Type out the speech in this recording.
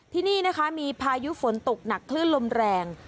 ที่นี่นะคะมีพายุฝนตกหนักคลื่นลมแรง